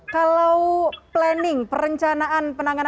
kalau planning perencanaan